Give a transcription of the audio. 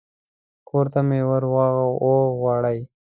کور ته مې ور وغواړي.